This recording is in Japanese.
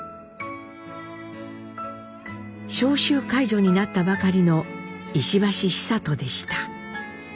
召集解除になったばかりの石橋久渡でした。